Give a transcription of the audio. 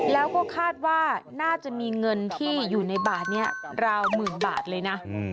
แล้วก็คาดว่าน่าจะมีเงินที่อยู่ในบาทนี้ราวหมื่นบาทเลยนะ